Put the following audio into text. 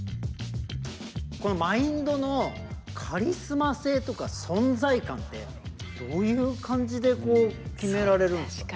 このＭＩＮＤのカリスマ性とか存在感ってどういう感じで決められるんですか？